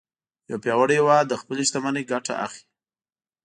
یو پیاوړی هیواد له خپلې شتمنۍ ګټه اخلي